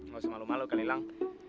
gak usah malu malu kan ilang